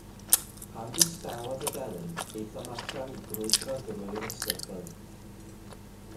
Pan ddistawodd y delyn, aethom allan i grwydro drwy'r ystrydoedd.